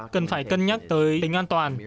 cần phải cân nhắc tới tính an toàn